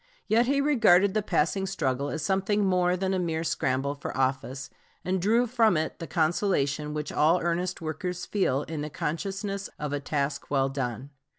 Yet he regarded the passing struggle as something more than a mere scramble for office, and drew from it the consolation which all earnest workers feel in the consciousness of a task well done.